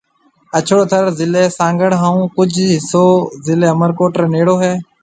اڇڙو ٿر ضلع سانگھڙ ھان ڪجھ حصو ضلع عمرڪوٽ رَي نيݪو ھيََََ